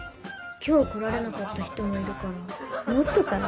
今日来られなかった人もいるからもっとかな。